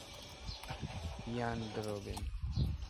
ბინადრობენ ტყეებში ან ბუჩქნარში.